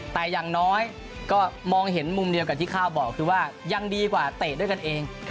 แต่อย่างน้อยก็มองเห็นมุมเดียวกับที่ข้าวบอกคือว่ายังดีกว่าเตะด้วยกันเอง